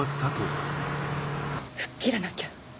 吹っ切らなきゃ